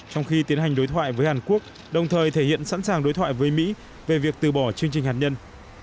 trong khi tiến hành đối thoại với hàn quốc đồng thời thể hiện sẵn sàng đối thoại với mỹ về việc từ bỏ chương trình hạt nhân